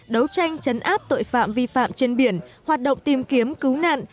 đấu tranh chấn áp tội phạm vi phạm trên biển hoạt động tìm kiếm cứu nạn